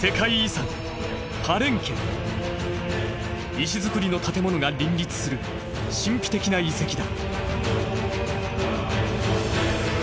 石造りの建物が林立する神秘的な遺跡だ。